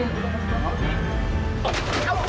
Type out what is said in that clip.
kalau dia bangun makin nyokap